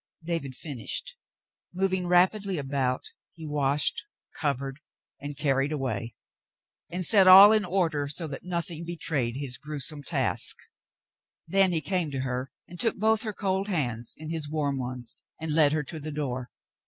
David finished. Moving rapidly about, he washed, cov ered, and carried away, and set all in order so that noth ing betrayed his grewsome task. Then he came to her and took both her cold hands in his warm ones and led her to the door.